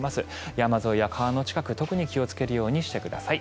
山沿いや川の近く特に気をつけるようにしてください。